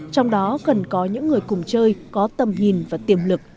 trong đó cần có những người cùng chơi có tầm nhìn và tiềm lực